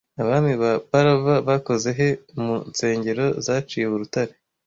Abami ba Pallava bakoze he mu nsengero zaciwe urutare